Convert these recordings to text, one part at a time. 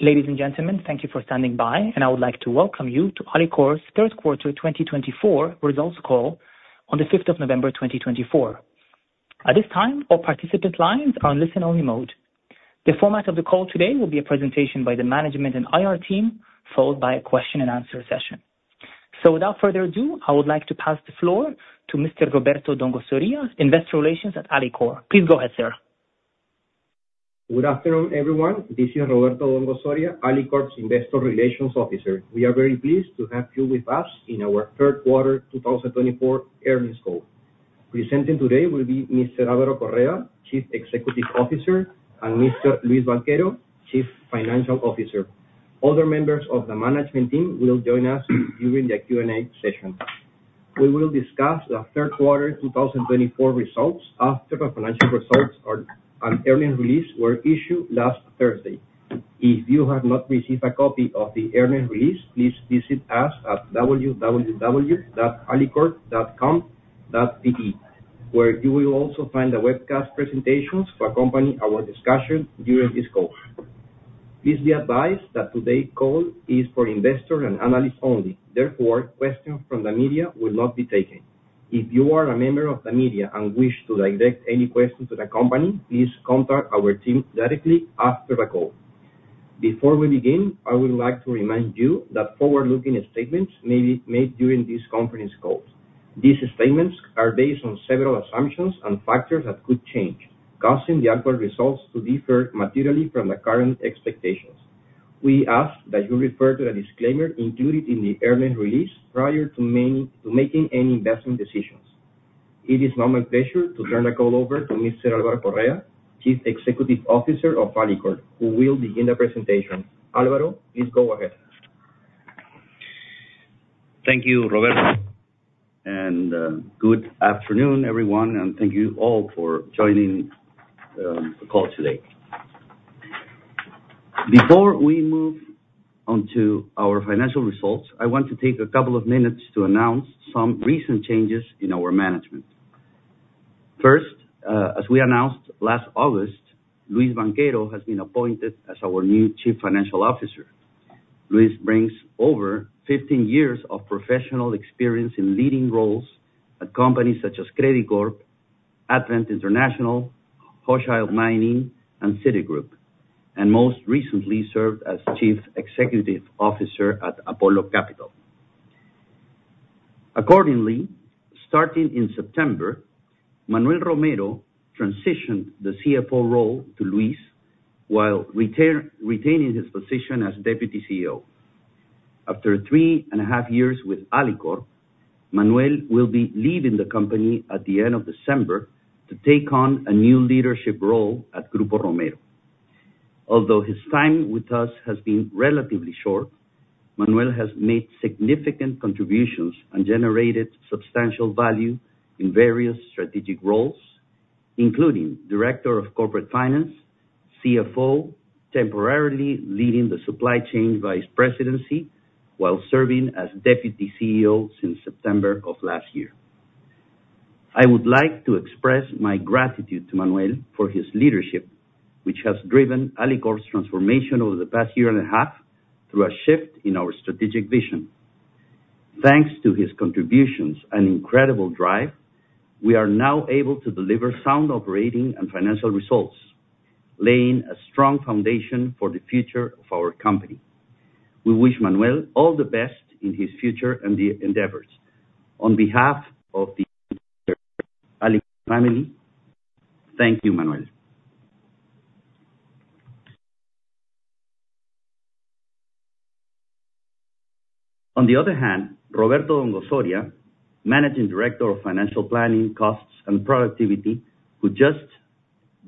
Ladies and gentlemen, thank you for standing by, and I would like to welcome you to Alicorp's Third Quarter 2024 Results Call on the 5th of November, 2024. At this time, all participants' lines are in listen-only mode. The format of the call today will be a presentation by the management and IR team, followed by a question-and-answer session. So, without further ado, I would like to pass the floor to Mr. Roberto Dongo-Soria, Investor Relations at Alicorp. Please go ahead, sir. Good afternoon, everyone. This is Roberto Dongo-Soria, Alicorp's Investor Relations Officer. We are very pleased to have you with us in our third quarter 2024 earnings call. Presenting today will be Mr. Álvaro Correa, Chief Executive Officer, and Mr. Luis Banchero, Chief Financial Officer. Other members of the management team will join us during the Q&A session. We will discuss the third quarter 2024 results after the financial results and earnings release were issued last Thursday. If you have not received a copy of the earnings release, please visit us at www.alicorp.com.pe, where you will also find the webcast presentations to accompany our discussion during this call. Please be advised that today's call is for investors and analysts only. Therefore, questions from the media will not be taken. If you are a member of the media and wish to direct any questions to the company, please contact our team directly after the call. Before we begin, I would like to remind you that forward-looking statements may be made during these conference calls. These statements are based on several assumptions and factors that could change, causing the actual results to differ materially from the current expectations. We ask that you refer to the disclaimer included in the earnings release prior to making any investment decisions. It is now my pleasure to turn the call over to Mr. Álvaro Correa, Chief Executive Officer of Alicorp, who will begin the presentation. Álvaro, please go ahead. Thank you, Roberto, and good afternoon, everyone, and thank you all for joining the call today. Before we move on to our financial results, I want to take a couple of minutes to announce some recent changes in our management. First, as we announced last August, Luis Banchero has been appointed as our new Chief Financial Officer. Luis brings over 15 years of professional experience in leading roles at companies such as Credicorp, Advent International, Hochschild Mining, and Citigroup, and most recently served as Chief Executive Officer at Apollo Capital. Accordingly, starting in September, Manuel Romero transitioned the CFO role to Luis while retaining his position as Deputy CEO. After three and a half years with Alicorp, Manuel will be leaving the company at the end of December to take on a new leadership role at Grupo Romero. Although his time with us has been relatively short, Manuel has made significant contributions and generated substantial value in various strategic roles, including Director of Corporate Finance, CFO, temporarily leading the Supply Chain Vice Presidency, while serving as Deputy CEO since September of last year. I would like to express my gratitude to Manuel for his leadership, which has driven Alicorp's transformation over the past year and a half through a shift in our strategic vision. Thanks to his contributions and incredible drive, we are now able to deliver sound operating and financial results, laying a strong foundation for the future of our company. We wish Manuel all the best in his future endeavors. On behalf of the Alicorp family, thank you, Manuel. On the other hand, Roberto Dongo-Soria, Managing Director of Financial Planning, Costs, and Productivity, who just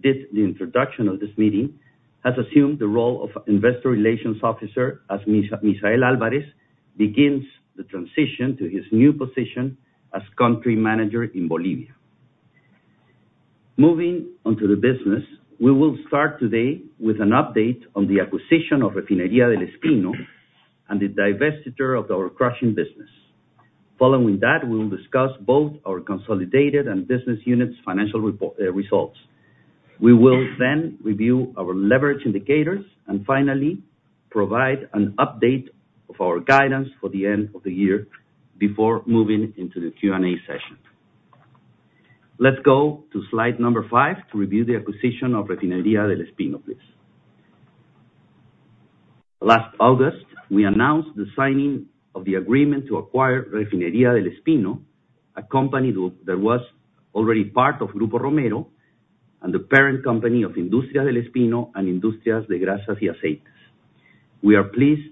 did the introduction of this meeting, has assumed the role of Investor Relations Officer as Misael Álvarez begins the transition to his new position as Country Manager in Bolivia. Moving on to the business, we will start today with an update on the acquisition of Refinería del Espino and the divestiture of our crushing business. Following that, we will discuss both our consolidated and business units' financial results. We will then review our leverage indicators and finally provide an update of our guidance for the end of the year before moving into the Q&A session. Let's go to slide number five to review the acquisition of Refinería del Espino, please. Last August, we announced the signing of the agreement to acquire Refinería del Espino, a company that was already part of Grupo Romero and the parent company of Industrias del Espino and Industrias de Grasas y Aceites. We are pleased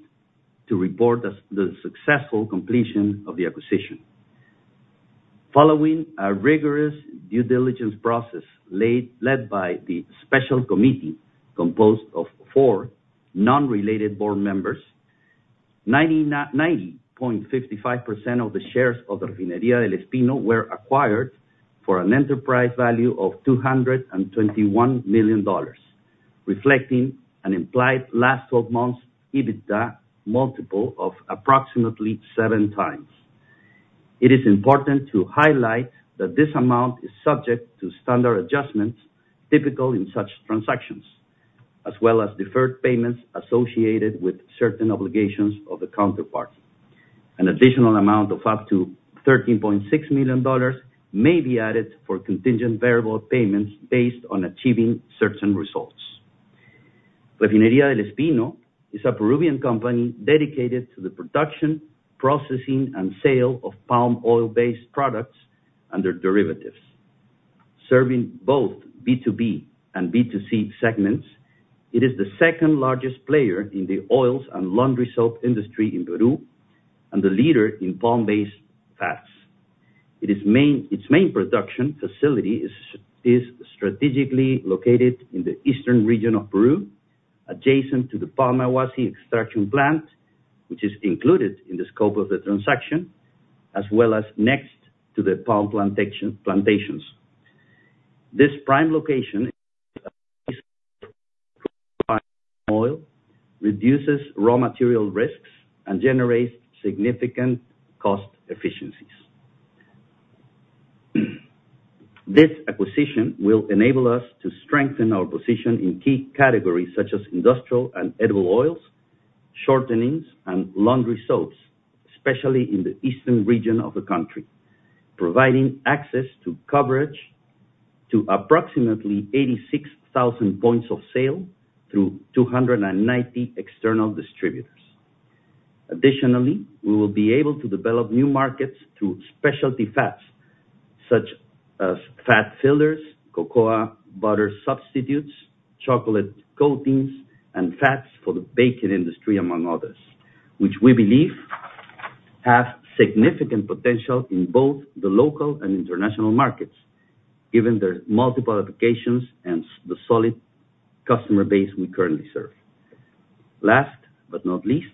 to report the successful completion of the acquisition. Following a rigorous due diligence process led by the special committee composed of four non-related board members, 90.55% of the shares of Refinería del Espino were acquired for an enterprise value of $221 million, reflecting an implied last 12 months EBITDA multiple of approximately seven times. It is important to highlight that this amount is subject to standard adjustments typical in such transactions, as well as deferred payments associated with certain obligations of the counterpart. An additional amount of up to $13.6 million may be added for contingent variable payments based on achieving certain results. Refinería del Espino is a Peruvian company dedicated to the production, processing, and sale of palm oil-based products and their derivatives. Serving both B2B and B2C segments, it is the second largest player in the oils and laundry soap industry in Peru and the leader in palm-based fats. Its main production facility is strategically located in the eastern region of Peru, adjacent to the Palmawasi extraction plant, which is included in the scope of the transaction, as well as next to the palm plantations. This prime location reduces raw material risks and generates significant cost efficiencies. This acquisition will enable us to strengthen our position in key categories such as industrial and edible oils, shortenings, and laundry soaps, especially in the eastern region of the country, providing access to coverage to approximately 86,000 points of sale through 290 external distributors. Additionally, we will be able to develop new markets through specialty fats such as fat fillers, cocoa, butter substitutes, chocolate coatings, and fats for the baking industry, among others, which we believe have significant potential in both the local and international markets, given their multiple applications and the solid customer base we currently serve. Last but not least,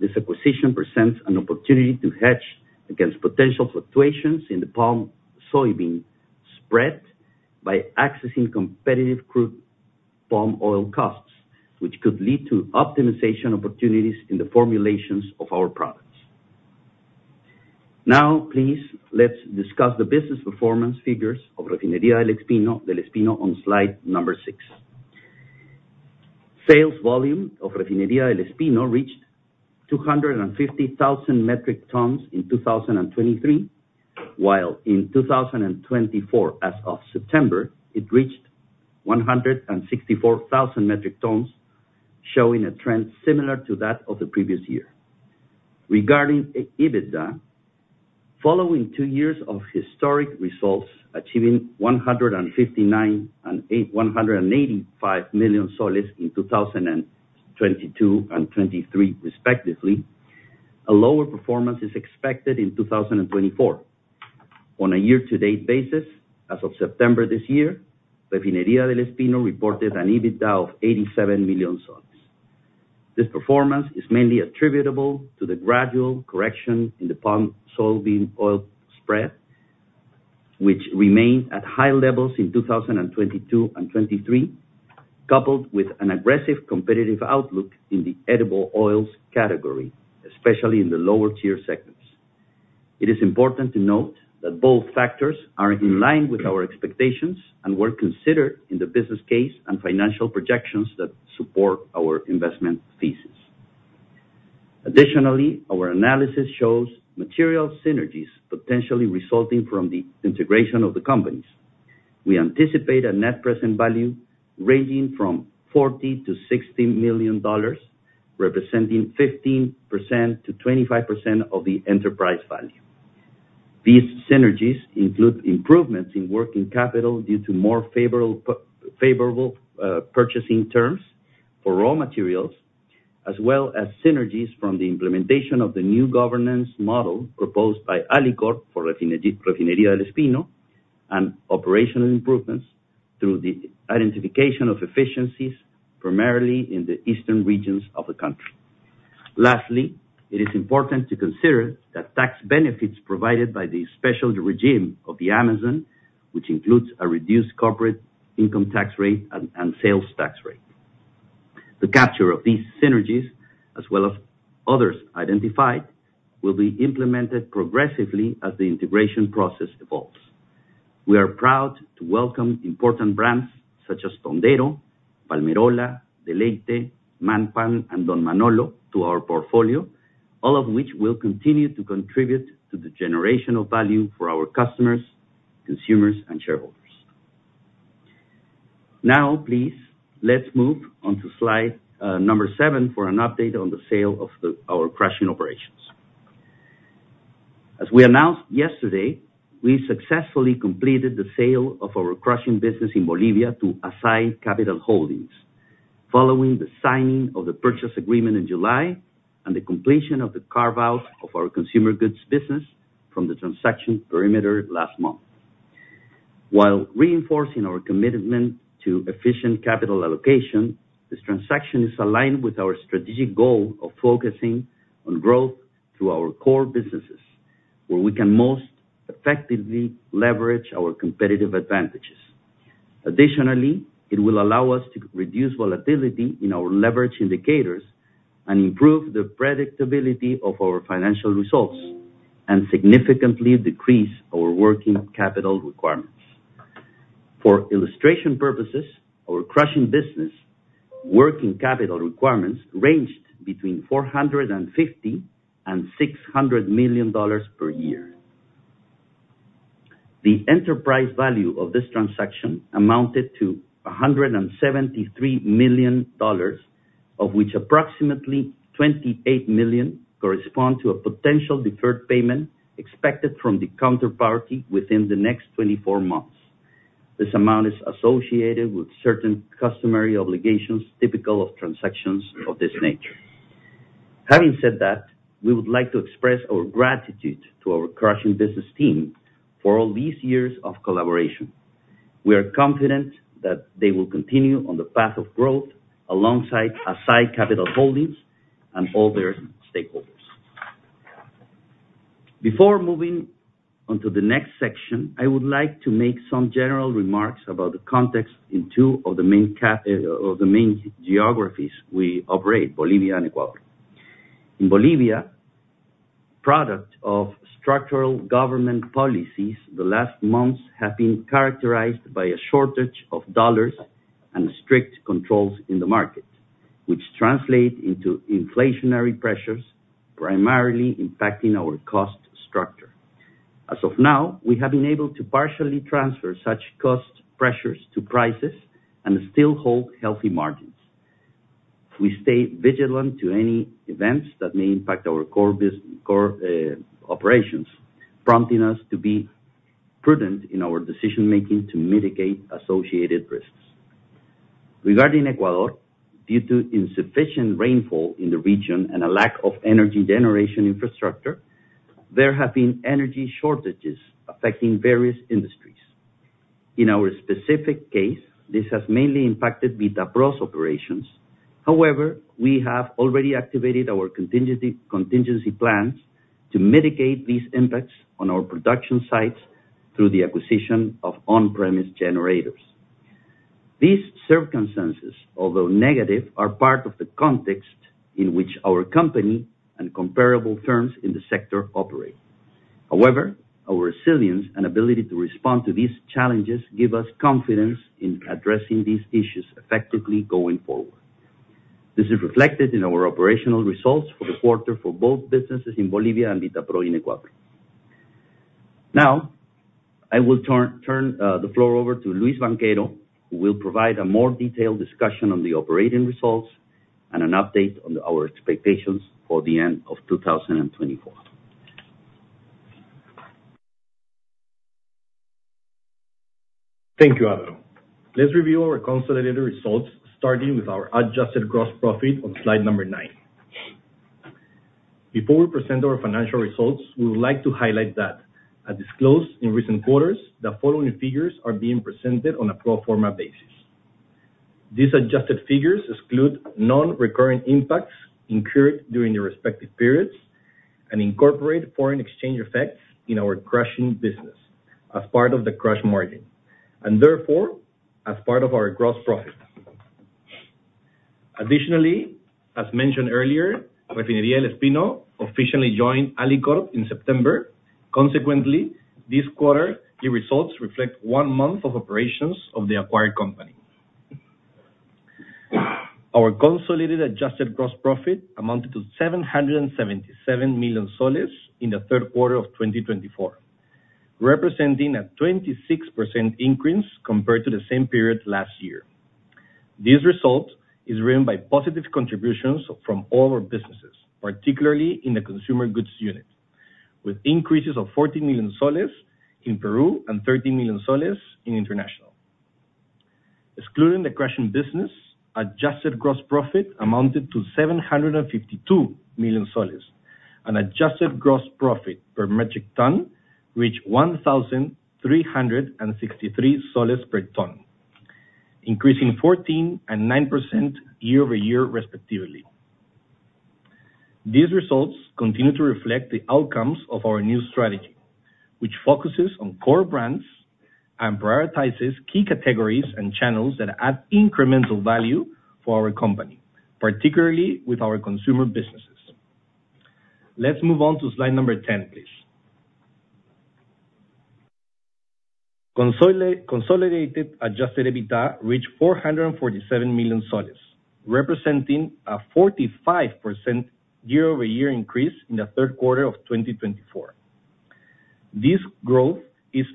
this acquisition presents an opportunity to hedge against potential fluctuations in the palm soybean spread by accessing competitive crude palm oil costs, which could lead to optimization opportunities in the formulations of our products. Now, please, let's discuss the business performance figures of Refinería del Espino on slide number six. Sales volume of Refinería del Espino reached 250,000 metric tons in 2023, while in 2024, as of September, it reached 164,000 metric tons, showing a trend similar to that of the previous year. Regarding EBITDA, following two years of historic results achieving PEN 159 million and PEN 185 million in 2022 and 2023 respectively, a lower performance is expected in 2024. On a year-to-date basis, as of September this year, Refinería del Espino reported an EBITDA of PEN 87 million. This performance is mainly attributable to the gradual correction in the palm soybean oil spread, which remained at high levels in 2022 and 2023, coupled with an aggressive competitive outlook in the edible oils category, especially in the lower-tier segments. It is important to note that both factors are in line with our expectations and were considered in the business case and financial projections that support our investment thesis. Additionally, our analysis shows material synergies potentially resulting from the integration of the companies. We anticipate a net present value ranging from $40-$60 million, representing 15%-25% of the enterprise value. These synergies include improvements in working capital due to more favorable purchasing terms for raw materials, as well as synergies from the implementation of the new governance model proposed by Alicorp for Refinería del Espino and operational improvements through the identification of efficiencies primarily in the eastern regions of the country. Lastly, it is important to consider that tax benefits provided by the special regime of the Amazon, which includes a reduced corporate income tax rate and sales tax rate. The capture of these synergies, as well as others identified, will be implemented progressively as the integration process evolves. We are proud to welcome important brands such as Tondero, Palmerola, Deleite, Manpan, and Don Manolo to our portfolio, all of which will continue to contribute to the generation of value for our customers, consumers, and shareholders. Now, please, let's move on to slide number seven for an update on the sale of our crushing operations. As we announced yesterday, we successfully completed the sale of our crushing business in Bolivia to Asai Capital Holdings, following the signing of the purchase agreement in July and the completion of the carve-out of our consumer goods business from the transaction perimeter last month. While reinforcing our commitment to efficient capital allocation, this transaction is aligned with our strategic goal of focusing on growth through our core businesses, where we can most effectively leverage our competitive advantages. Additionally, it will allow us to reduce volatility in our leverage indicators and improve the predictability of our financial results and significantly decrease our working capital requirements. For illustration purposes, our crushing business working capital requirements ranged between $450 million and $600 million per year. The enterprise value of this transaction amounted to $173 million, of which approximately $28 million correspond to a potential deferred payment expected from the counterparty within the next 24 months. This amount is associated with certain customary obligations typical of transactions of this nature. Having said that, we would like to express our gratitude to our crushing business team for all these years of collaboration. We are confident that they will continue on the path of growth alongside Asai Capital Holdings and other stakeholders. Before moving on to the next section, I would like to make some general remarks about the context in two of the main geographies we operate, Bolivia and Ecuador. In Bolivia, product of structural government policies, the last months have been characterized by a shortage of dollars and strict controls in the market, which translate into inflationary pressures primarily impacting our cost structure. As of now, we have been able to partially transfer such cost pressures to prices and still hold healthy margins. We stay vigilant to any events that may impact our core operations, prompting us to be prudent in our decision-making to mitigate associated risks. Regarding Ecuador, due to insufficient rainfall in the region and a lack of energy generation infrastructure, there have been energy shortages affecting various industries. In our specific case, this has mainly impacted Vitapro's operations. However, we have already activated our contingency plans to mitigate these impacts on our production sites through the acquisition of on-premise generators. These circumstances, although negative, are part of the context in which our company and comparable firms in the sector operate. However, our resilience and ability to respond to these challenges give us confidence in addressing these issues effectively going forward. This is reflected in our operational results for the quarter for both businesses in Bolivia and Vitapro in Ecuador. Now, I will turn the floor over to Luis Banchero, who will provide a more detailed discussion on the operating results and an update on our expectations for the end of 2024. Thank you, Álvaro. Let's review our consolidated results, starting with our adjusted gross profit on slide number nine. Before we present our financial results, we would like to highlight that, as disclosed in recent quarters, the following figures are being presented on a pro forma basis. These adjusted figures exclude non-recurring impacts incurred during the respective periods and incorporate foreign exchange effects in our crushing business as part of the crush margin and therefore as part of our gross profit. Additionally, as mentioned earlier, Refinería del Espino officially joined Alicorp in September. Consequently, this quarter, the results reflect one month of operations of the acquired company. Our consolidated adjusted gross profit amounted to PEN 777 million in the third quarter of 2024, representing a 26% increase compared to the same period last year. This result is driven by positive contributions from all our businesses, particularly in the consumer goods unit, with increases of PEN 40 million in Peru and PEN 30 million in international. Excluding the crushing business, adjusted gross profit amounted to PEN 752 million, and adjusted gross profit per metric ton reached PEN 1,363 per ton, increasing 14% and 9% year-over-year, respectively. These results continue to reflect the outcomes of our new strategy, which focuses on core brands and prioritizes key categories and channels that add incremental value for our company, particularly with our consumer businesses. Let's move on to slide number 10, please. Consolidated adjusted EBITDA reached PEN 447 million, representing a 45% year-over-year increase in the third quarter of 2024. This growth is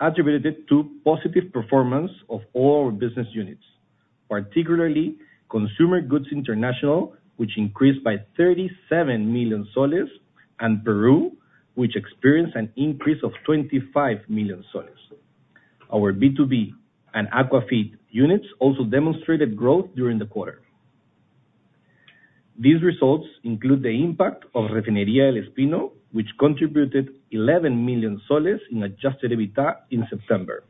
attributed to positive performance of all our business units, particularly consumer goods international, which increased by PEN 37 million, and Peru, which experienced an increase of PEN 25 million. Our B2B and aquafeed units also demonstrated growth during the quarter. These results include the impact of Refinería del Espino, which contributed PEN 11 million in adjusted EBITDA in September,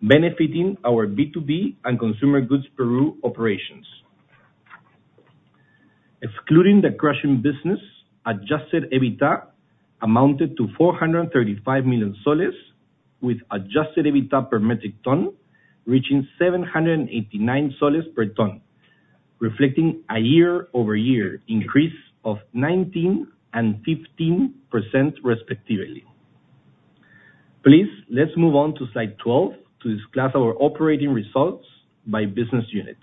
benefiting our B2B and consumer goods Peru operations. Excluding the crushing business, adjusted EBITDA amounted to PEN 435 million, with adjusted EBITDA per metric ton reaching PEN 789 per ton, reflecting a year-over-year increase of 19% and 15%, respectively. Please, let's move on to slide 12 to discuss our operating results by business unit.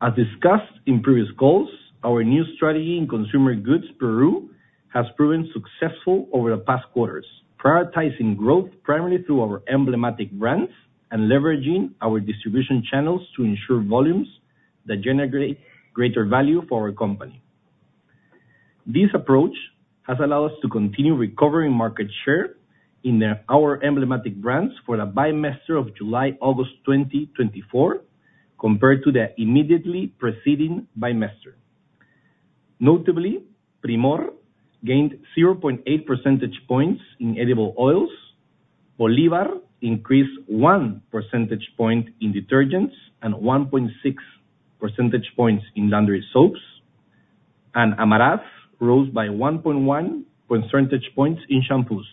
As discussed in previous calls, our new strategy in consumer goods Peru has proven successful over the past quarters, prioritizing growth primarily through our emblematic brands and leveraging our distribution channels to ensure volumes that generate greater value for our company. This approach has allowed us to continue recovering market share in our emblematic brands for the bimester of July-August 2024, compared to the immediately preceding bimester. Notably, Primor gained 0.8 percentage points in edible oils, Bolívar increased one percentage point in detergents and 1.6 percentage points in laundry soaps, and Amarás rose by 1.1 percentage points in shampoos.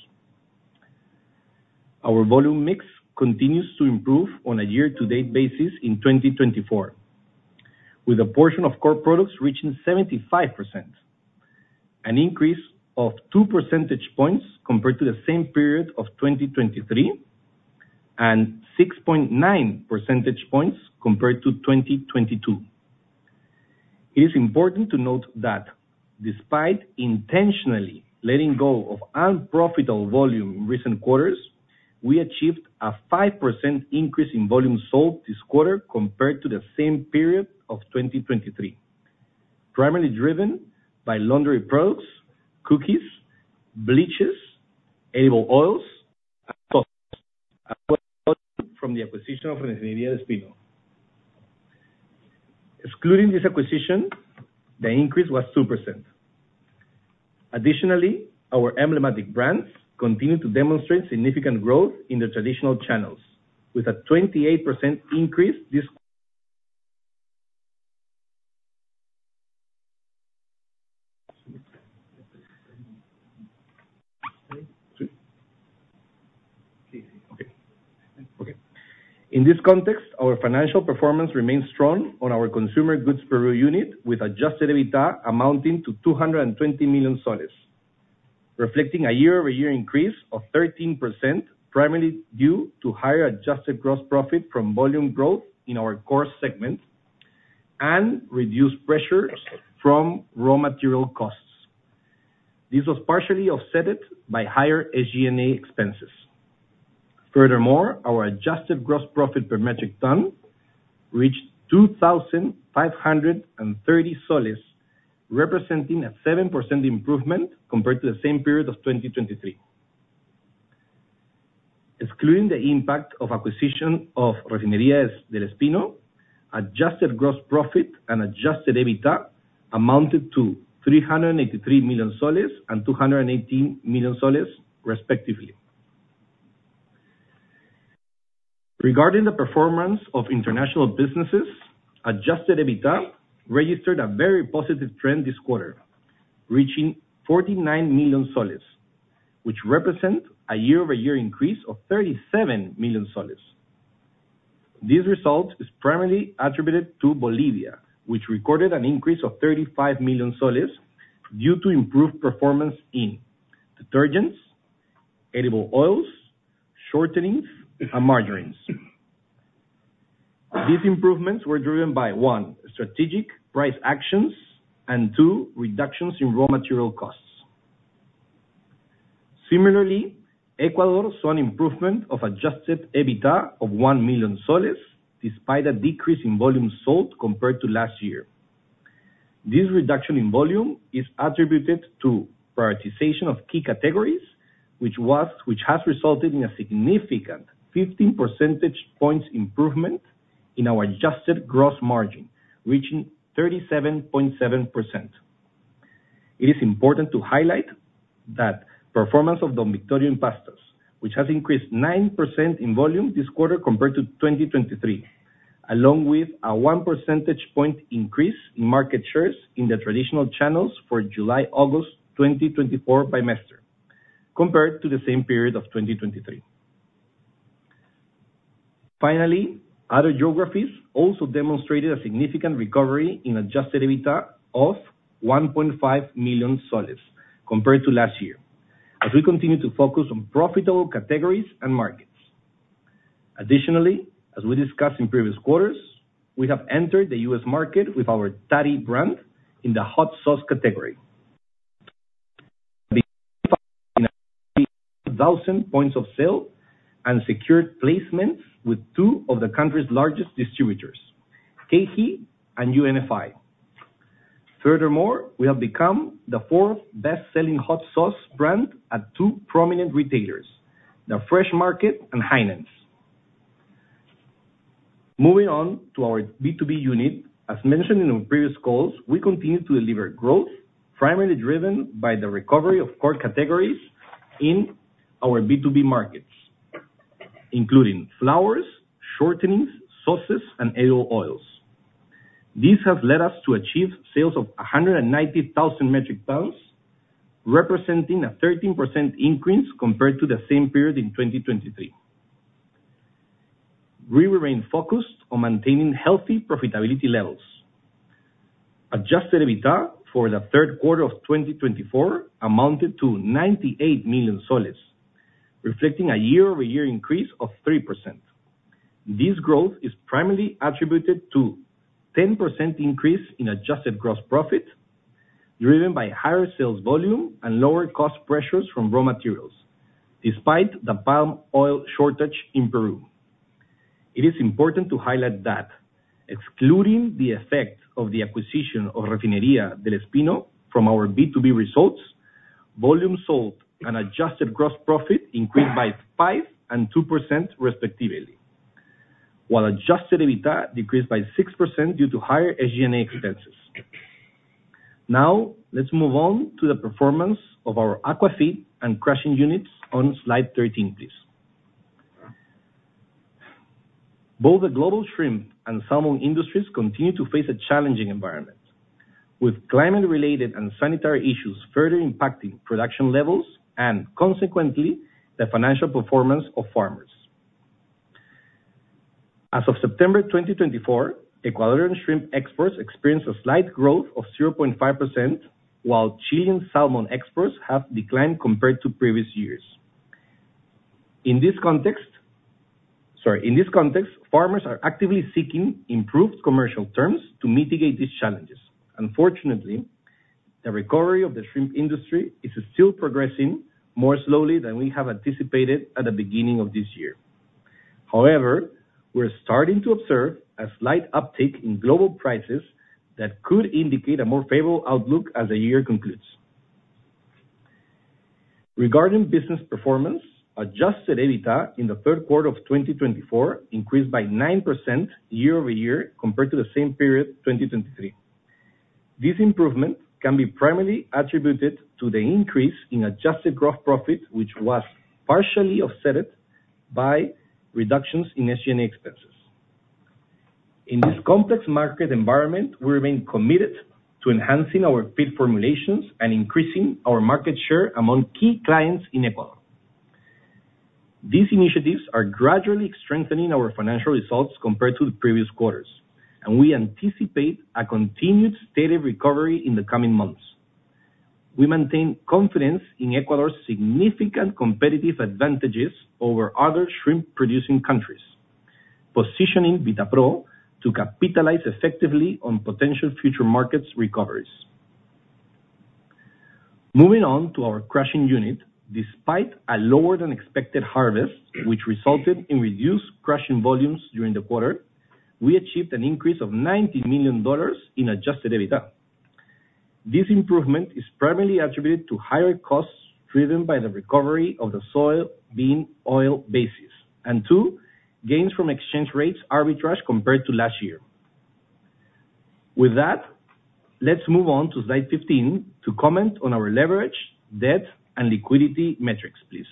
Our volume mix continues to improve on a year-to-date basis in 2024, with a portion of core products reaching 75%, an increase of two percentage points compared to the same period of 2023, and 6.9 percentage points compared to 2022. It is important to note that, despite intentionally letting go of unprofitable volume in recent quarters, we achieved a 5% increase in volume sold this quarter compared to the same period of 2023, primarily driven by laundry products, cookies, bleaches, edible oils, and sauces, as well as from the acquisition of Refinería del Espino. Excluding this acquisition, the increase was 2%. Additionally, our emblematic brands continue to demonstrate significant growth in the traditional channels, with a 28% increase this quarter. In this context, our financial performance remains strong on our consumer goods Peru unit, with adjusted EBITDA amounting to PEN 220 million, reflecting a year-over-year increase of 13%, primarily due to higher adjusted gross profit from volume growth in our core segment and reduced pressure from raw material costs. This was partially offset by higher SG&A expenses. Furthermore, our adjusted gross profit per metric ton reached PEN 2,530, representing a 7% improvement compared to the same period of 2023. Excluding the impact of acquisition of Refinería del Espino, adjusted gross profit and adjusted EBITDA amounted to PEN 383 million and PEN 218 million, respectively. Regarding the performance of international businesses, adjusted EBITDA registered a very positive trend this quarter, reaching PEN 49 million, which represents a year-over-year increase of PEN 37 million. This result is primarily attributed to Bolivia, which recorded an increase of PEN 35 million due to improved performance in detergents, edible oils, shortenings, and margins. These improvements were driven by, one, strategic price actions and, two, reductions in raw material costs. Similarly, Ecuador saw an improvement of adjusted EBITDA of PEN 1 million, despite a decrease in volume sold compared to last year. This reduction in volume is attributed to prioritization of key categories, which has resulted in a significant 15 percentage points improvement in our adjusted gross margin, reaching 37.7%. It is important to highlight that performance of Don Vittorio pastas, which has increased 9% in volume this quarter compared to 2023, along with a 1 percentage point increase in market shares in the traditional channels for July-August 2024 bimester, compared to the same period of 2023. Finally, other geographies also demonstrated a significant recovery in Adjusted EBITDA of PEN 1.5 million compared to last year, as we continue to focus on profitable categories and markets. Additionally, as we discussed in previous quarters, we have entered the U.S. market with our Tari brand in the hot sauce category, with 2,000 points of sale and secured placements with two of the country's largest distributors, KeHE and UNFI. Furthermore, we have become the fourth best-selling hot sauce brand at two prominent retailers, The Fresh Market and Heinen's. Moving on to our B2B unit, as mentioned in our previous calls, we continue to deliver growth, primarily driven by the recovery of core categories in our B2B markets, including flowers, shortenings, sauces, and edible oils. This has led us to achieve sales of 190,000 metric tons, representing a 13% increase compared to the same period in 2023. We remain focused on maintaining healthy profitability levels. Adjusted EBITDA for the third quarter of 2024 amounted to 98 million PEN, reflecting a year-over-year increase of 3%. This growth is primarily attributed to a 10% increase in adjusted gross profit, driven by higher sales volume and lower cost pressures from raw materials, despite the palm oil shortage in Peru. It is important to highlight that, excluding the effect of the acquisition of Refinería del Espino from our B2B results, volume sold and adjusted gross profit increased by 5% and 2%, respectively, while adjusted EBITDA decreased by 6% due to higher SG&A expenses. Now, let's move on to the performance of our aquafeed and crushing units on slide 13, please. Both the global shrimp and salmon industries continue to face a challenging environment, with climate-related and sanitary issues further impacting production levels and, consequently, the financial performance of farmers. As of September 2024, Ecuadorian shrimp exports experienced a slight growth of 0.5%, while Chilean salmon exports have declined compared to previous years. In this context, farmers are actively seeking improved commercial terms to mitigate these challenges. Unfortunately, the recovery of the shrimp industry is still progressing more slowly than we have anticipated at the beginning of this year. However, we're starting to observe a slight uptick in global prices that could indicate a more favorable outlook as the year concludes. Regarding business performance, adjusted EBITDA in the third quarter of 2024 increased by 9% year-over-year compared to the same period of 2023. This improvement can be primarily attributed to the increase in adjusted gross profit, which was partially offset by reductions in SG&A expenses. In this complex market environment, we remain committed to enhancing our feed formulations and increasing our market share among key clients in Ecuador. These initiatives are gradually strengthening our financial results compared to the previous quarters, and we anticipate a continued steady recovery in the coming months. We maintain confidence in Ecuador's significant competitive advantages over other shrimp-producing countries, positioning Vitapro to capitalize effectively on potential future market recoveries. Moving on to our crushing unit, despite a lower-than-expected harvest, which resulted in reduced crushing volumes during the quarter, we achieved an increase of $90 million in adjusted EBITDA. This improvement is primarily attributed to higher costs driven by the recovery of the soybean oil basis and, two, gains from exchange rates arbitrage compared to last year. With that, let's move on to slide 15 to comment on our leverage, debt, and liquidity metrics, please.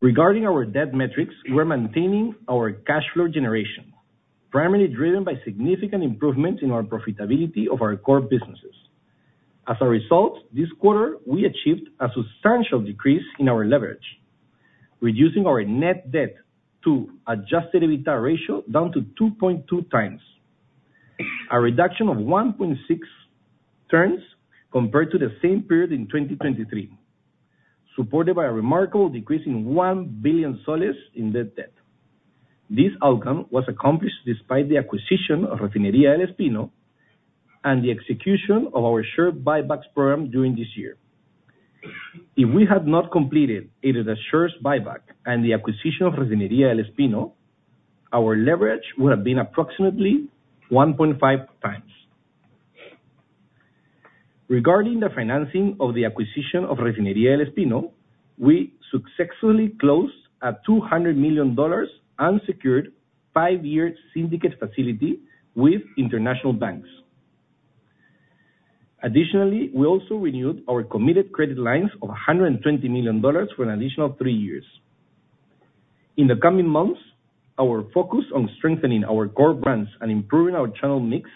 Regarding our debt metrics, we're maintaining our cash flow generation, primarily driven by significant improvements in our profitability of our core businesses. As a result, this quarter, we achieved a substantial decrease in our leverage, reducing our net debt-to-adjusted EBITDA ratio down to 2.2x, a reduction of 1.6x compared to the same period in 2023, supported by a remarkable decrease in PEN 1 billion in net debt. This outcome was accomplished despite the acquisition of Refinería del Espino and the execution of our share buyback program during this year. If we had not completed either the shares buyback and the acquisition of Refinería del Espino, our leverage would have been approximately 1.5x. Regarding the financing of the acquisition of Refinería del Espino, we successfully closed a $200 million and secured a five-year syndicate facility with international banks. Additionally, we also renewed our committed credit lines of $120 million for an additional three years. In the coming months, our focus on strengthening our core brands and improving our channel mix,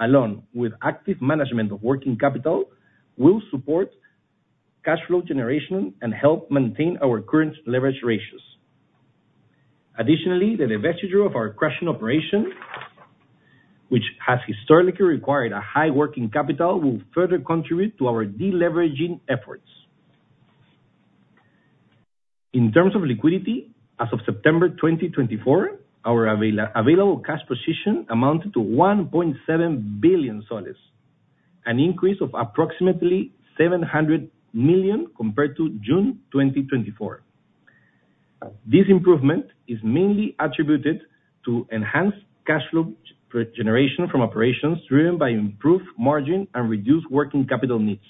along with active management of working capital, will support cash flow generation and help maintain our current leverage ratios. Additionally, the divestiture of our crushing operation, which has historically required a high working capital, will further contribute to our deleveraging efforts. In terms of liquidity, as of September 2024, our available cash position amounted to PEN 1.7 billion, an increase of approximately PEN 700 million compared to June 2024. This improvement is mainly attributed to enhanced cash flow generation from operations driven by improved margin and reduced working capital needs,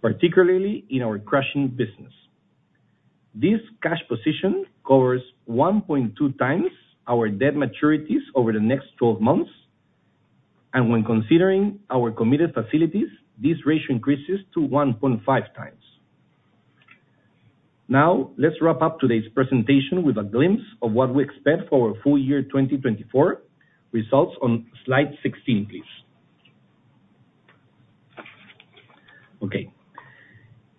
particularly in our crushing business. This cash position covers 1.2 times our debt maturities over the next 12 months, and when considering our committed facilities, this ratio increases to 1.5x. Now, let's wrap up today's presentation with a glimpse of what we expect for our full year 2024 results on slide 16, please. Okay.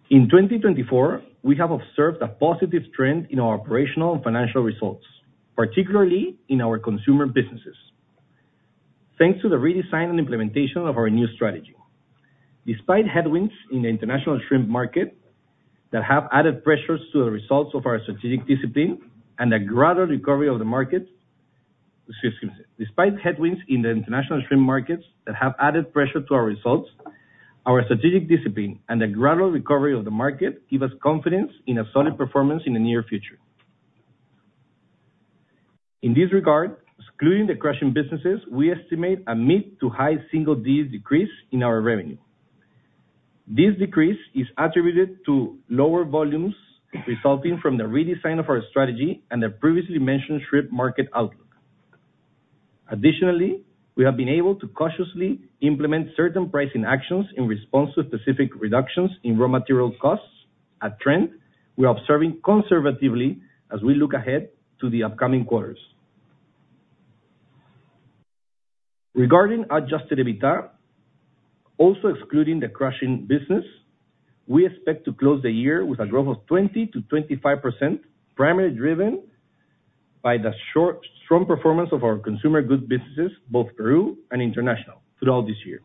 In 2024, we have observed a positive trend in our operational and financial results, particularly in our consumer businesses, thanks to the redesign and implementation of our new strategy. Despite headwinds in the international shrimp markets that have added pressure to our results, our strategic discipline and the gradual recovery of the market give us confidence in a solid performance in the near future. In this regard, excluding the crushing businesses, we estimate a mid to high single digit decrease in our revenue. This decrease is attributed to lower volumes resulting from the redesign of our strategy and the previously mentioned shrimp market outlook. Additionally, we have been able to cautiously implement certain pricing actions in response to specific reductions in raw material costs, a trend we are observing conservatively as we look ahead to the upcoming quarters. Regarding Adjusted EBITDA, also excluding the crushing business, we expect to close the year with a growth of 20%-25%, primarily driven by the strong performance of our consumer goods businesses, both Peru and international, throughout this year.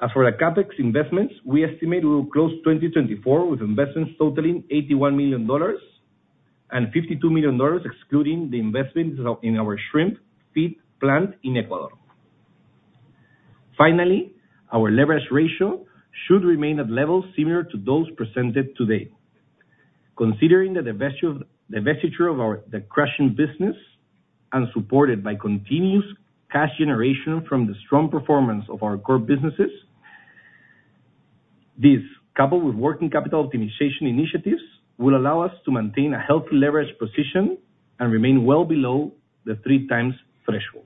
As for the CapEx investments, we estimate we will close 2024 with investments totaling $81 million and $52 million, excluding the investments in our shrimp feed plant in Ecuador. Finally, our leverage ratio should remain at levels similar to those presented today. Considering the divestiture of the crushing business and supported by continuous cash generation from the strong performance of our core businesses, this, coupled with working capital optimization initiatives, will allow us to maintain a healthy leverage position and remain well below the three-times threshold.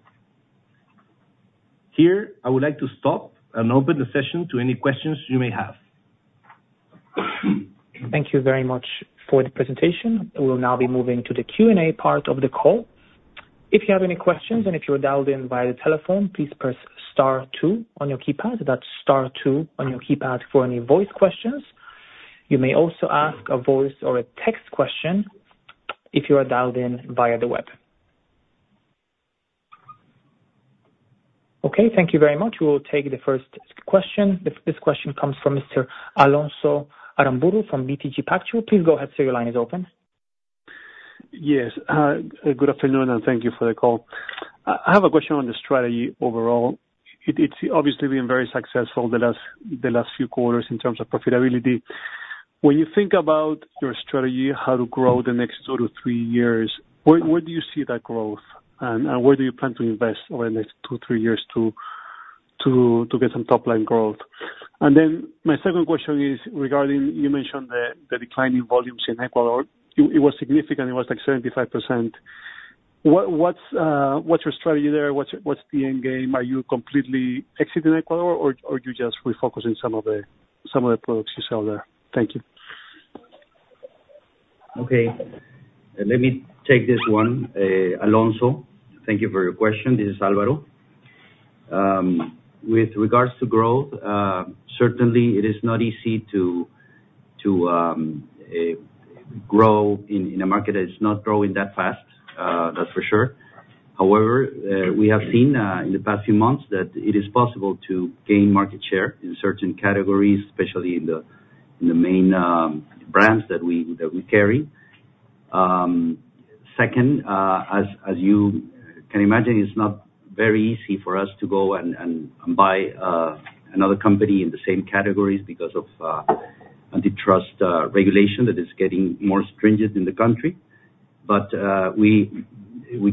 Here, I would like to stop and open the session to any questions you may have. Thank you very much for the presentation. We'll now be moving to the Q&A part of the call. If you have any questions and if you're dialed in via the telephone, please press Star two on your keypad. That's Star two on your keypad for any voice questions. You may also ask a voice or a text question if you are dialed in via the web. Okay. Thank you very much. We will take the first question. This question comes from Mr. Alonso Aramburú from BTG Pactual. Please go ahead, your line is open. Yes. Good afternoon, and thank you for the call. I have a question on the strategy overall. It's obviously been very successful the last few quarters in terms of profitability. When you think about your strategy, how to grow the next two to three years, where do you see that growth, and where do you plan to invest over the next two to three years to get some top-line growth? And then my second question is regarding you mentioned the decline in volumes in Ecuador. It was significant. It was like 75%. What's your strategy there? What's the end game? Are you completely exiting Ecuador, or are you just refocusing some of the products you sell there? Thank you. Okay. Let me take this one. Alonso, thank you for your question. This is Álvaro. With regards to growth, certainly, it is not easy to grow in a market that is not growing that fast, that's for sure. However, we have seen in the past few months that it is possible to gain market share in certain categories, especially in the main brands that we carry. Second, as you can imagine, it's not very easy for us to go and buy another company in the same categories because of antitrust regulation that is getting more stringent in the country. But we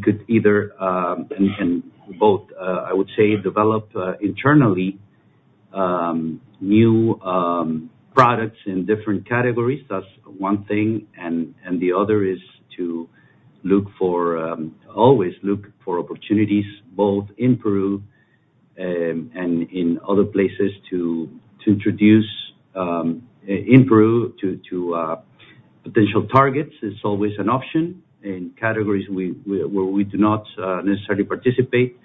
could either and both, I would say, develop internally new products in different categories. That's one thing. And the other is to always look for opportunities both in Peru and in other places to introduce in Peru to potential targets. It's always an option in categories where we do not necessarily participate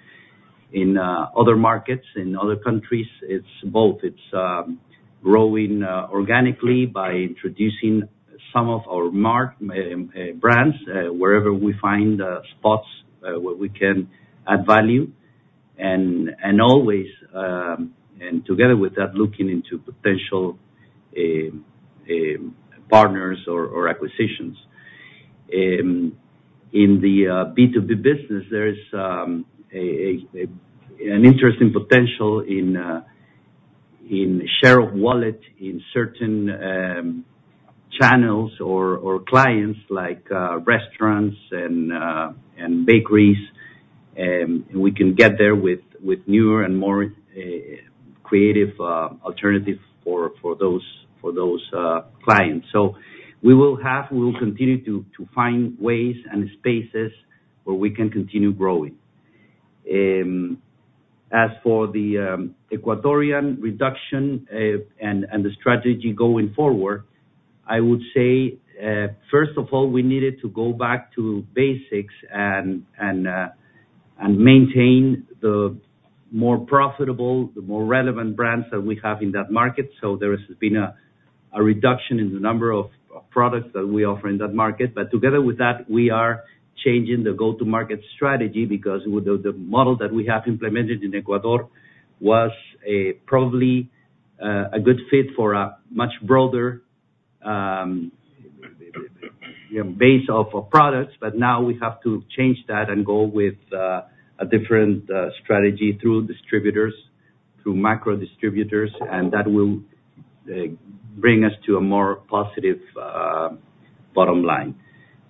in other markets in other countries. It's both. It's growing organically by introducing some of our brands wherever we find spots where we can add value and always together with that, looking into potential partners or acquisitions. In the B2B business, there is an interesting potential in share of wallet in certain channels or clients like restaurants and bakeries. We can get there with newer and more creative alternatives for those clients. So we will continue to find ways and spaces where we can continue growing. As for the Ecuadorian reduction and the strategy going forward, I would say, first of all, we needed to go back to basics and maintain the more profitable, the more relevant brands that we have in that market. So there has been a reduction in the number of products that we offer in that market. But together with that, we are changing the go-to-market strategy because the model that we have implemented in Ecuador was probably a good fit for a much broader base of products. But now we have to change that and go with a different strategy through distributors, through macro distributors, and that will bring us to a more positive bottom line.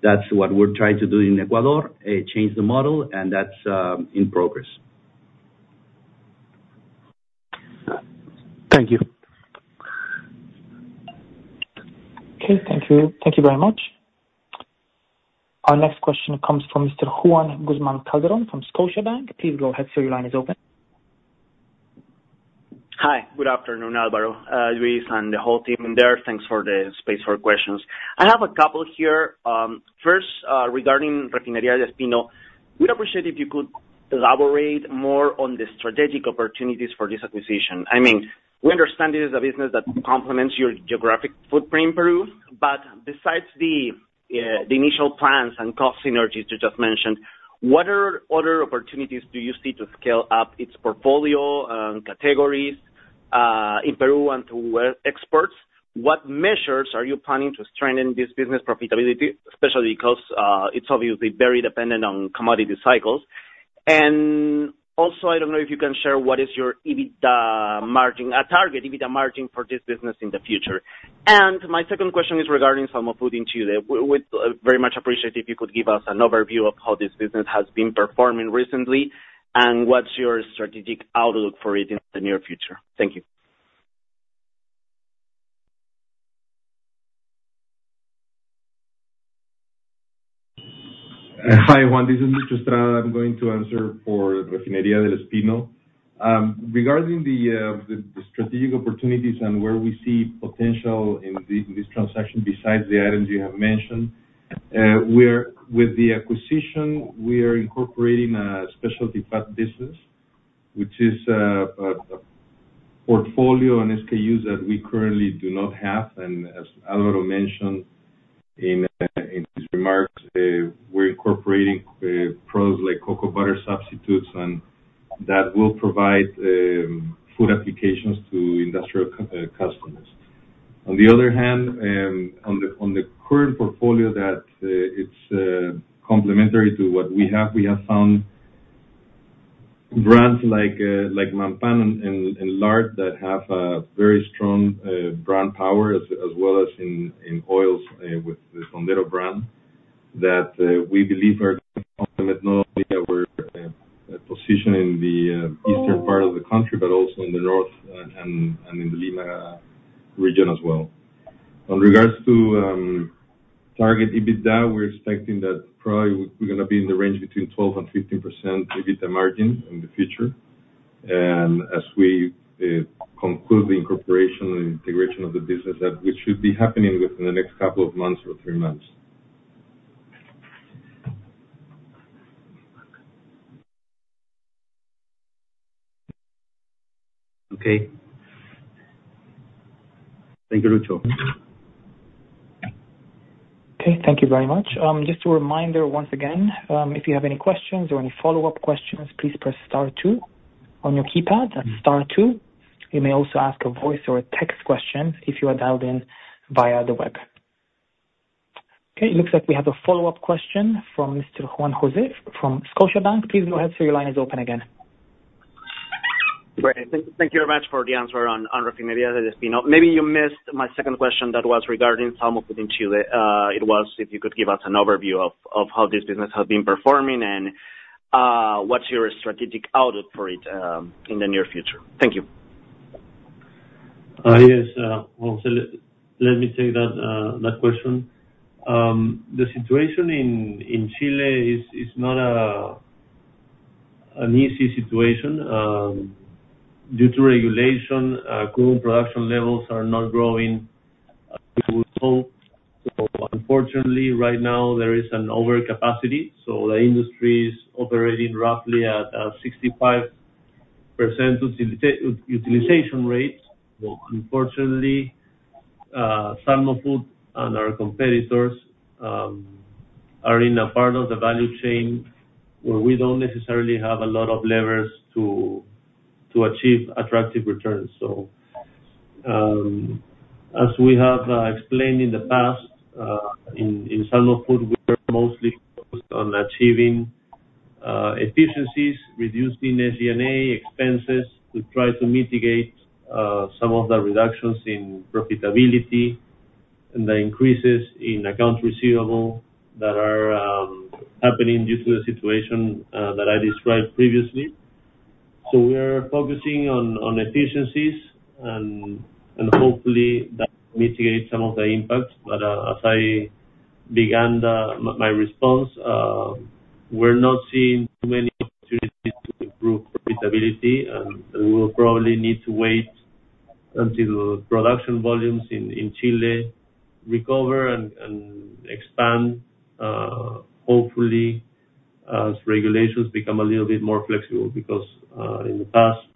That's what we're trying to do in Ecuador, change the model, and that's in progress. Thank you. Okay. Thank you. Thank you very much. Our next question comes from Mr. Juan Guzmán Calderón from Scotiabank. Please go ahead. The line is open. Hi. Good afternoon, Álvaro. Luis and the whole team in there. Thanks for the space for questions. I have a couple here. First, regarding Refinería del Espino, we'd appreciate it if you could elaborate more on the strategic opportunities for this acquisition. I mean, we understand this is a business that complements your geographic footprint in Peru, but besides the initial plans and cost synergies you just mentioned, what other opportunities do you see to scale up its portfolio and categories in Peru and to where exports? What measures are you planning to strengthen this business profitability, especially because it's obviously very dependent on commodity cycles? And also, I don't know if you can share what is your EBITDA margin, a target EBITDA margin for this business in the future. And my second question is regarding Salmofood. We'd very much appreciate it if you could give us an overview of how this business has been performing recently and what's your strategic outlook for it in the near future. Thank you. Hi, Juan. This is Luis Estrada. I'm going to answer for Refinería del Espino. Regarding the strategic opportunities and where we see potential in this transaction besides the items you have mentioned, with the acquisition, we are incorporating a specialty fat business, which is a portfolio and SKUs that we currently do not have. And as Álvaro mentioned in his remarks, we're incorporating products like cocoa butter substitutes, and that will provide food applications to industrial customers. On the other hand, on the current portfolio, that it's complementary to what we have, we have found brands like Manpan and lard that have a very strong brand power, as well as in oils with the Tondero brand that we believe are complementing not only our position in the eastern part of the country, but also in the north and in the Lima region as well. In regards to target EBITDA, we're expecting that probably we're going to be in the range between 12% and 15% EBITDA margin in the future, and as we conclude the incorporation and integration of the business, that should be happening within the next couple of months or three months. Okay. Thank you, Lucho. Okay. Thank you very much. Just a reminder once again, if you have any questions or any follow-up questions, please press Star two on your keypad. That's Star two. You may also ask a voice or a text question if you are dialed in via the web. Okay. It looks like we have a follow-up question from Mr. Juan José from Scotiabank. Please go ahead and say your line is open again. Great. Thank you very much for the answer on Refinería del Espino. Maybe you missed my second question that was regarding Salmofood. It was if you could give us an overview of how this business has been performing and what's your strategic outlook for it in the near future. Thank you. Yes, well, let me take that question. The situation in Chile is not an easy situation. Due to regulation, salmon production levels are not growing as we would hope. So unfortunately, right now, there is an overcapacity. So the industry is operating roughly at a 65% utilization rate. Unfortunately, Salmofood and our competitors are in a part of the value chain where we don't necessarily have a lot of levers to achieve attractive returns. As we have explained in the past, in Salmofood, we are mostly focused on achieving efficiencies, reducing SG&A expenses to try to mitigate some of the reductions in profitability and the increases in accounts receivable that are happening due to the situation that I described previously. So we are focusing on efficiencies and hopefully that will mitigate some of the impacts. But as I began my response, we're not seeing too many opportunities to improve profitability, and we will probably need to wait until production volumes in Chile recover and expand, hopefully, as regulations become a little bit more flexible because in the past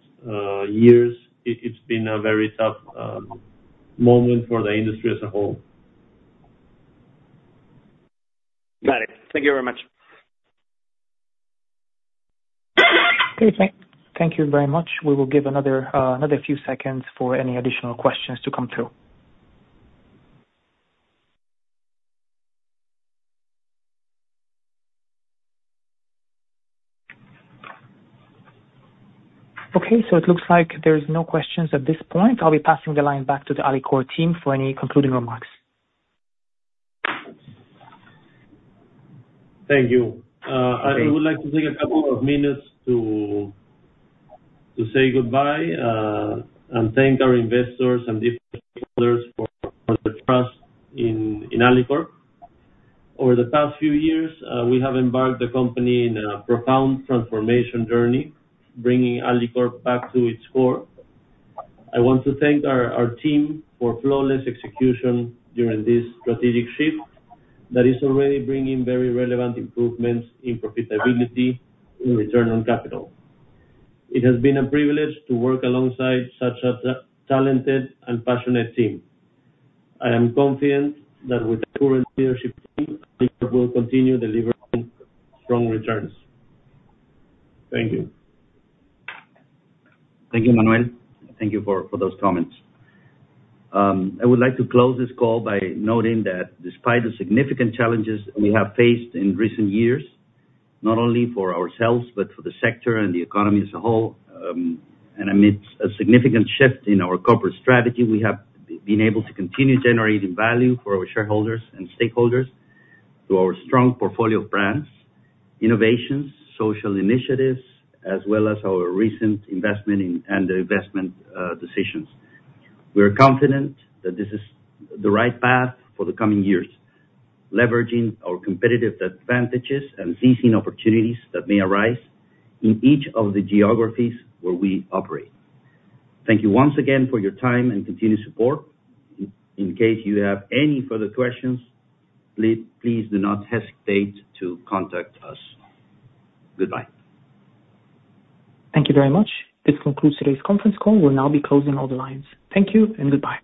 years, it's been a very tough moment for the industry as a whole. Got it. Thank you very much. Okay. Thank you very much. We will give another few seconds for any additional questions to come through. Okay. So it looks like there's no questions at this point. I'll be passing the line back to the Alicorp team for any concluding remarks. Thank you. I would like to take a couple of minutes to say goodbye and thank our investors and different stakeholders for their trust in Alicorp. Over the past few years, we have embarked the company in a profound transformation journey, bringing Alicorp back to its core. I want to thank our team for flawless execution during this strategic shift that is already bringing very relevant improvements in profitability and return on capital. It has been a privilege to work alongside such a talented and passionate team. I am confident that with the current leadership team, Alicorp will continue delivering strong returns. Thank you. Thank you, Manuel. Thank you for those comments. I would like to close this call by noting that despite the significant challenges we have faced in recent years, not only for ourselves but for the sector and the economy as a whole, and amidst a significant shift in our corporate strategy, we have been able to continue generating value for our shareholders and stakeholders through our strong portfolio of brands, innovations, social initiatives, as well as our recent investment and investment decisions. We are confident that this is the right path for the coming years, leveraging our competitive advantages and seizing opportunities that may arise in each of the geographies where we operate. Thank you once again for your time and continued support. In case you have any further questions, please do not hesitate to contact us. Goodbye. Thank you very much. This concludes today's conference call. We'll now be closing all the lines. Thank you and goodbye.